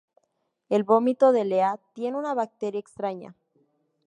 El vómito de Leah tiene una bacteria extraña.